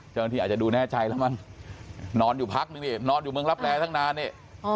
เจ้าหน้าที่อาจจะดูแน่ใจแล้วมั้งนอนอยู่พักนึงนี่นอนอยู่เมืองรับแรตั้งนานนี่